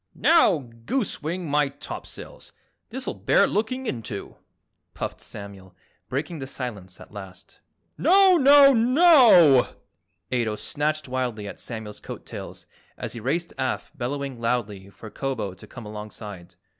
"Now, goosewing my topsails, this'll bear looking into!" puffed Samuel, breaking the silence at last. "Now, now, NOW!" Ato snatched wildly at Samuel's coat tails as he raced aft bellowing loudly for Kobo to come alongside.